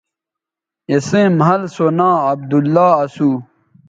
اِسئیں مَھل سو ناں عبداللہ اسو